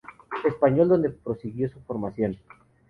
Español donde prosiguió su formación.